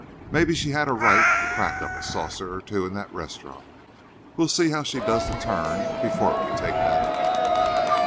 Maybe she had a right to crack up a saucer or two in that restaurant. We'll see how she does the turn before we take that up."